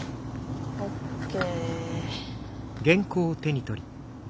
ＯＫ。